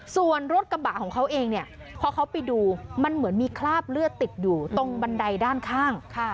ส่วนรถกระบะของเขาเองเนี่ยพอเขาไปดูมันเหมือนมีคราบเลือดติดอยู่ตรงบันไดด้านข้าง